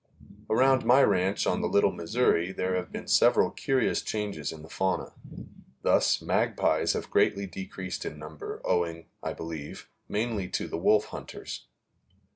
Around my ranch on the Little Missouri there have been several curious changes in the fauna. Thus, magpies have greatly decreased in number, owing, I believe, mainly to the wolf hunters.